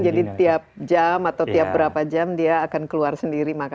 tiap jam atau tiap berapa jam dia akan keluar sendiri